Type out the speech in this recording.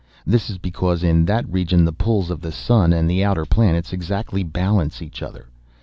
This is because in that region the pulls of the sun and the outer planets exactly balance each other.